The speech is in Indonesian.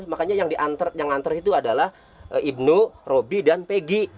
makanya yang diantar itu adalah ibnu robi dan peggy